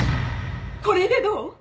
これでどう？